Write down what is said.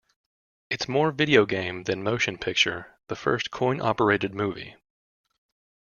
It's more video game than motion picture - the first coin-operated movie.